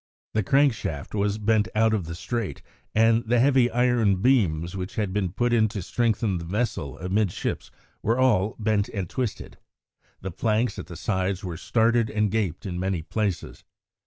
The crank shaft was bent out of the straight, and the heavy iron beams which had been put in to strengthen the vessel amidships were all bent and twisted. The planks at the sides were started and gaped in many places.